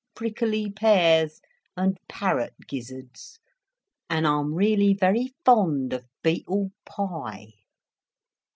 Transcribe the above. Prickly pears and parrot gizzards. And I'm really very fond of beetle pie.